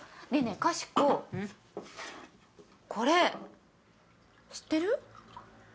これ知ってる？